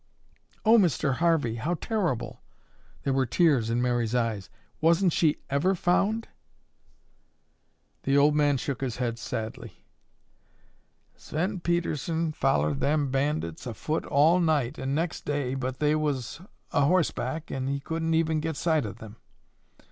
"Oh, Mr. Harvey, how terrible!" There were tears in Mary's eyes. "Wasn't she ever found?" The old man shook his head sadly. "Sven Pedersen follered them bandits afoot all night an' nex' day but they was a horseback an' he couldn't even get sight o' them.